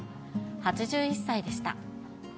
８１歳でした。